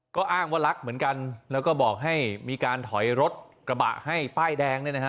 ก็อ้างว่ารักเหมือนกันแล้วก็บอกให้มีการถอยรถกระบะให้ป้ายแดงเนี่ยนะฮะ